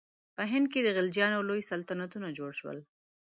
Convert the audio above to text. په هند کې د خلجیانو لوی سلطنتونه جوړ شول.